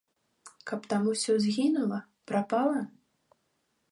Каб там усё згінула, прапала?